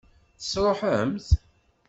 Tesṛuḥem-t?